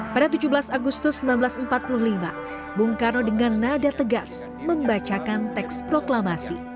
pada tujuh belas agustus seribu sembilan ratus empat puluh lima bung karno dengan nada tegas membacakan teks proklamasi